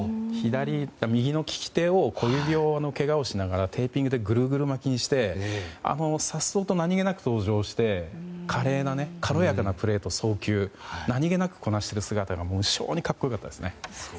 右の利き手の小指をけがをしながらテーピングでぐるぐる巻きにして颯爽と何気なく登場して軽やかなプレーと送球を何気なくこなす姿が格好良かったですね。